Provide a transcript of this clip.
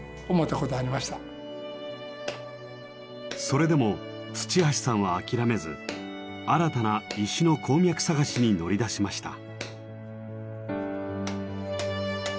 それでも土橋さんは諦めず新たな石の鉱脈探しに乗り出しました。